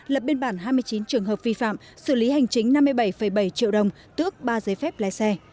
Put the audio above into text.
lập biên bản hai mươi chín trường hợp vi phạm xử lý hành chính năm mươi bảy bảy triệu đồng tước ba giấy phép lái xe